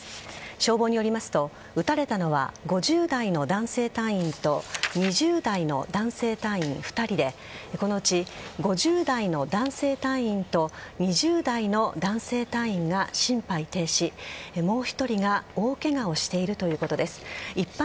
消防によりますと撃たれたのは５０代の男性隊員と２０代の男性隊員２人でこのうち５０代の男性隊員と２０代の男性隊員が心肺停止もう１人が大ケガをしているということです。